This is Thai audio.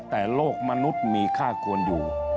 แต่โลกมนุษย์มีค่าควรอยู่